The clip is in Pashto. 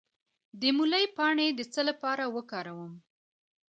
د مولی پاڼې د څه لپاره وکاروم؟